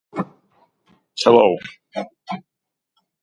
An ancient canal formerly passed through the town of Cairo.